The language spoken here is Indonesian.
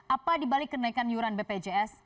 apa dibalik kenaikan yuran bpjs